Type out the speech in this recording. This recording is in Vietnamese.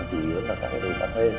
tỉnh lãnh là tỉnh lãnh đồng chí quyết